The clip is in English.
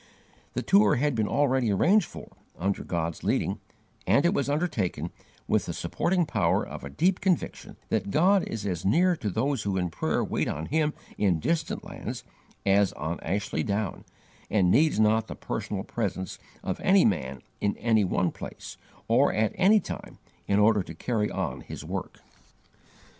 The tour had been already arranged for, under God's leading, and it was undertaken, with the supporting power of a deep conviction that God is as near to those who in prayer wait on Him in distant lands, as on Ashley Down, and needs not the personal presence of any man in any one place, or at any time, in order to carry on His work.